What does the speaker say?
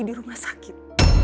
di rumah sakit